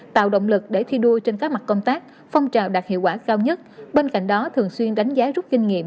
tạo động lực để thi đua trên các mặt công tác phong trào đạt hiệu quả cao nhất bên cạnh đó thường xuyên đánh giá rút kinh nghiệm